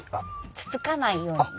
つつかないようにね。